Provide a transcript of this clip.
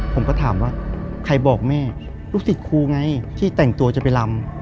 ผมก็ถามว่าใครบอกแม่ลูกศิษย์ครูไงที่แต่งตัวจะไปลำ